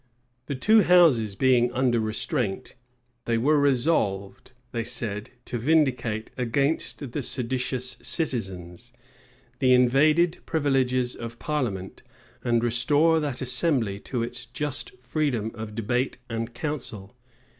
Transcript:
The two houses being under restraint, they were resolved, they said, to vindicate, against the seditious citizens, the invaded privileges of parliament, and restore that assembly to its just freedom of debate and counsel.